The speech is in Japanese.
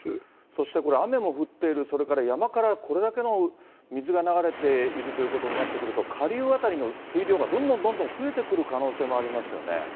そしてこれ、雨も降っている、それから山からこれだけの水が流れているということになってくると、下流辺りの水量がどんどんどんどん増えてくる可能性もありますよね。